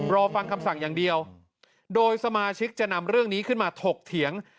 รอฟังคำสั่งอย่างเดียวโดยสมาชิกจะนำเรื่องนี้ขึ้นมาถกเถียง